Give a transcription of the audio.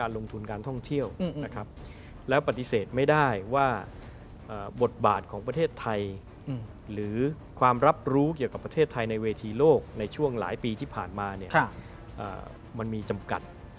แล้วปฏิเสธไม่ได้ว่าบทบาทของประเทศไทยหรือความรับรู้เกี่ยวกับประเทศไทยในเวทีโลกในช่วงหลายปีที่ผ่านมามันมีจำกัด